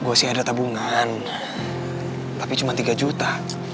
gue sih ada tabungan tapi cuma tiga juta